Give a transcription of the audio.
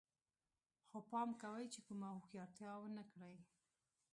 خو پام کوئ چې کومه هوښیارتیا ونه کړئ